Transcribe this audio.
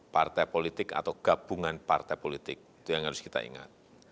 partai politik atau gabungan partai politik itu yang harus kita ingat